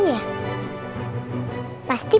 tuhan yang terbaik